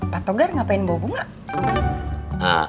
pak togar ngapain bawa bunga